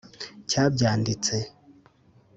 cyabyanditse